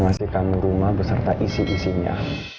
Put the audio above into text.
ngasih kamu rumah beserta isi isinya